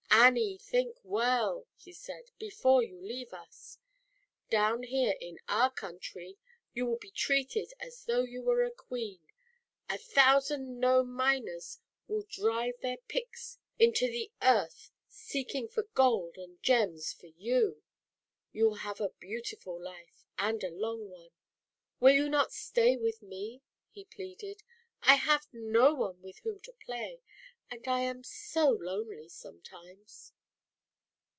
"Annie, think well," he said " before you leave us. Down here in our country you will be treated as though you were a Queen. A thousand Gnome Miners will drive their picks into 12 '(ffffl! 178 ZAUBERLINDA, THE WISE WITCH. X he earth, seeking for gold and gems for gu. You will live a beautiful life, and long one. Will you not stay with ^," he pleaded, "I have no one with 1 \l whom to play, and I am so lonely ometimes.